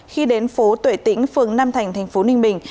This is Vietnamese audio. khi đến phố tuệ tĩnh phương nam thành thành phố ninh bình